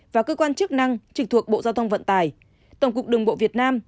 và cơ quan chức năng trực thuộc bộ giao thông vận tải tổng cục đường bộ việt nam